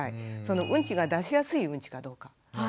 うんちが出しやすいうんちかどうか。